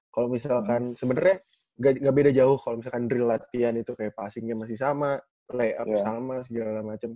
kalo misalkan sebenernya ga beda jauh kalo misalkan drill latihan itu kayak passingnya masih sama layup sama segala macem